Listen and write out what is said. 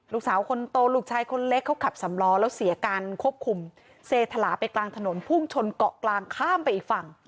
ลูกสาวคนโตลูกชายคนเล็กเขาขับสำล้อแล้วเสียการควบคุมเสถลาไปกลางถนนพุ่งชนเกาะกลางข้ามไปอีกฝั่ง